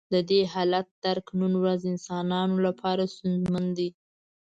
د دې حالت درک نن ورځ انسانانو لپاره ستونزمن دی.